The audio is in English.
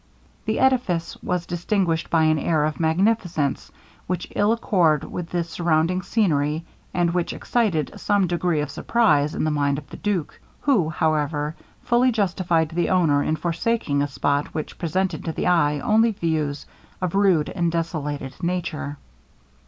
The edifice was distinguished by an air of magnificence, which ill accorded with the surrounding scenery, and which excited some degree of surprize in the mind of the duke, who, however, fully justified the owner in forsaking a spot which presented to the eye only views of rude and desolated nature.